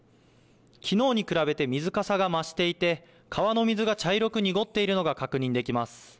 きのうに比べて水かさが増していて、川の水が茶色く濁っているのが確認できます。